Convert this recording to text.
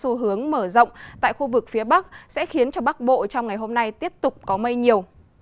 các tỉnh phía bắc và tây nguyên sẽ có xu hướng mở rộng tại khu vực phía bắc sẽ khiến cho bắc bộ trong ngày hôm nay tiếp tục có mây nhiều